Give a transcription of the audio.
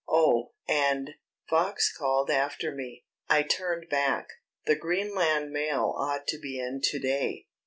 "Oh, and " Fox called after me. I turned back. "The Greenland mail ought to be in to day.